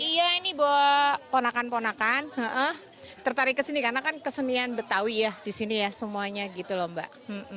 iya ini bawa ponakan ponakan tertarik ke sini karena kan kesenian betawi ya di sini ya semuanya gitu loh mbak